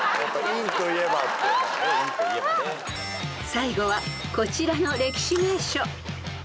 ［最後はこちらの歴史名所］